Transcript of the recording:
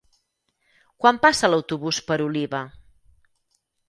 Quan passa l'autobús per Oliva?